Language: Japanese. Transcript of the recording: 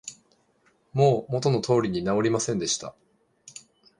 もう元の通りに直りませんでした